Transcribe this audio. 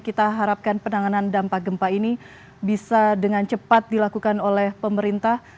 kita harapkan penanganan dampak gempa ini bisa dengan cepat dilakukan oleh pemerintah